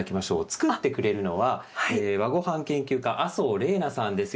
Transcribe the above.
作ってくれるのは和ごはん研究家麻生怜菜さんです。